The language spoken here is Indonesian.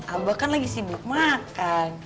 abah kan lagi sibuk makan